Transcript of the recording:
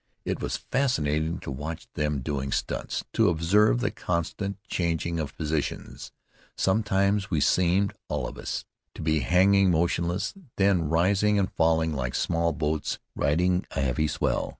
It was fascinating to watch them doing stunts, to observe the constant changing of positions. Sometimes we seemed, all of us, to be hanging motionless, then rising and falling like small boats riding a heavy swell.